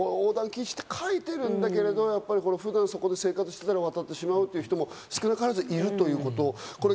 ただ横断禁止って書いてるんだけど、普段そこで生活してたら渡ってしまうという方も少なからずいるということ。